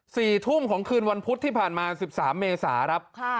สี่ทุ่มของคืนวันพุธที่ผ่านมาสิบสามเมษาครับค่ะ